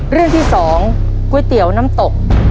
เรื่องที่๒ก๋วยเตี๋ยวน้ำตก